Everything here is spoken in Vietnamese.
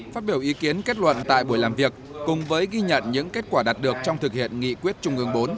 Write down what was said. phát biểu ý kiến kết luận tại buổi làm việc cùng với ghi nhận những kết quả đạt được trong thực hiện nghị quyết trung ương bốn